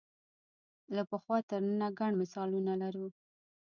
له پخوا تر ننه ګڼ مثالونه لرو